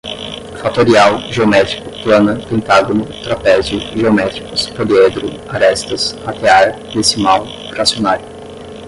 fatorial, geométrica, plana, pentágono, trapézio, geométricos, poliedro, arestas, ratear, decimal, fracionário